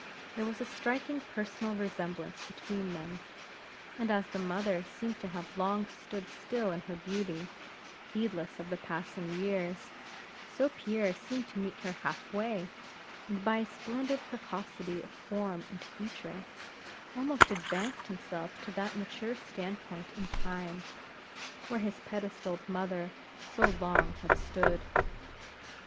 There was a striking personal resemblance between them; and as the mother seemed to have long stood still in her beauty, heedless of the passing years; so Pierre seemed to meet her half way, and by a splendid precocity of form and feature, almost advanced himself to that mature stand point in Time, where his pedestaled mother so long had stood.